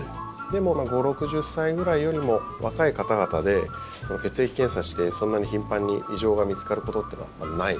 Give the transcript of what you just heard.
でも、５０６０歳くらいよりも若い方々で、血液検査してそんな頻繁に異常が見つかることというのはない。